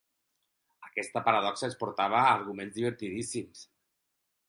Aquesta paradoxa ens portava a arguments divertidíssims.